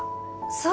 そう